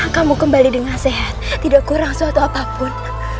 kamu kembali dengan sehat tidak kurang suatu apapun